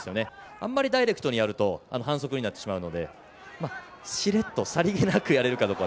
あんまりダイレクトにやると反則になってしまうのでしれっと、さりげなくやれるか。